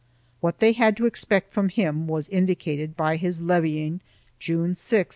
4 What they had to expect from him was indicated by his 1 Guill. Nangiac.